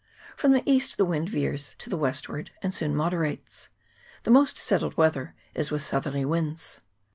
From the east the wind veers to the westward, and soon moderates. The most settled weather is with southerly winds.